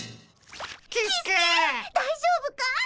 大丈夫かい？